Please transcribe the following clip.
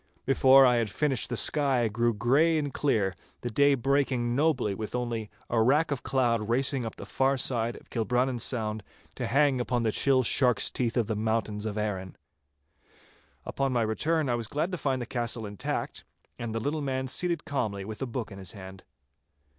Before I had finished the sky grew grey and clear, the day breaking nobly with only a rack of cloud racing up the far side of Kilbrannan Sound to hang upon the chill shark's teeth of the mountains of Arran. Upon my return I was glad to find the castle intact, and the little man seated calmly with a book in his hand.